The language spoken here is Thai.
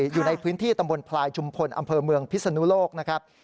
อยู่ในพื้นที่ตำบลพลายชุมพลอำเภอเมืองพิศนุโลกนะครับ